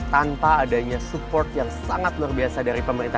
tanpa adanya support yang sangat luar biasa dari pemerintah